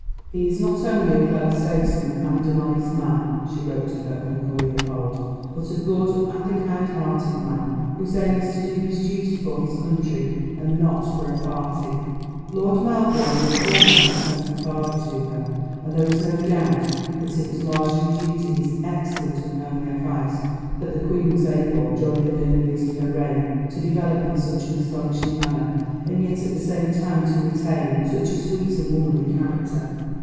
"He is not only a clever statesman and an honest man," she wrote to her uncle, Leopold, "but a good and a kind hearted man, whose aim is to do his duty for his country and not for a party." Lord Melbourne was almost a second father to her, and there is no doubt that it was largely due to his excellent and homely advice that the Queen was able during the early years of her reign to develop in such an astonishing manner and yet at the same time to retain such a sweet and womanly character.